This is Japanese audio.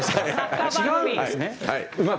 違うんですか？